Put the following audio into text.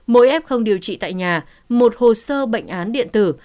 mỗi f không điều trị tại nhà một hồ sơ bệnh án điện tử